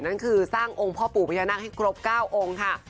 นั่นคือสร้างองค์พ่อปู่พญานาคให้ครบ๙องค์ค่ะ